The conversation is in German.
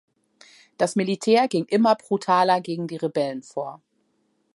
Das Militär ging immer brutaler gegen die Rebellen vor.